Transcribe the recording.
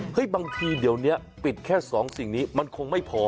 บางทีเดี๋ยวนี้ปิดแค่๒สิ่งนี้มันคงไม่พอ